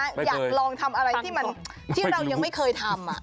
อยากลองทำอะไรที่เรายังไม่เคยทำ